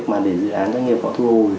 mà để dự án doanh nghiệp họ thu hồi